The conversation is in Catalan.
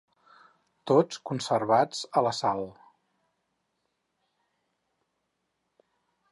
Tots conservats a la sal.